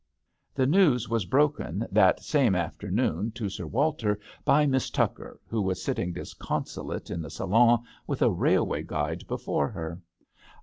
The news was broken that same afternoon to Sir Walter by Miss Tucker, who was sitting disconsolate in the salon with a railway guide before her.